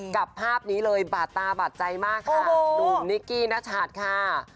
กับภาพนี้เลยบาดตาบาดใจมากค่ะหนุ่มนิกกี้นชัดค่ะ